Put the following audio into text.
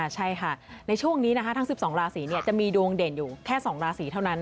ใช่ค่ะในช่วงนี้นะคะทั้ง๑๒ราศีจะมีดวงเด่นอยู่แค่๒ราศีเท่านั้น